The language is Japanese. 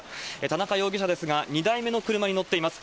田中容疑者ですが、２台目の車に乗っています。